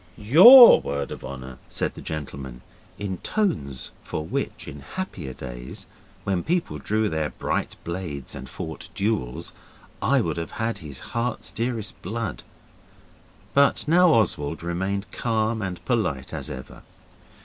'YOUR word of honour,' said the gentleman, in tones for which, in happier days, when people drew their bright blades and fought duels, I would have had his heart's dearest blood. But now Oswald remained calm and polite as ever.